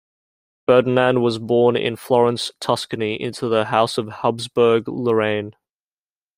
Ferdinand was born in Florence, Tuscany, into the House of Habsburg-Lorraine.